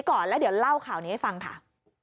หลุกเม่าหลุงเม่าหลุงเม่า